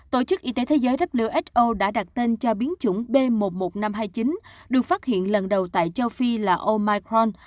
tổ chức y tế thế giới who đã đặt tên cho biến chủng b một mươi một nghìn năm trăm hai mươi chín được phát hiện lần đầu tại châu phi là omicron